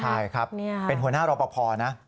ใช่ครับเป็นหัวหน้ารอปภนะ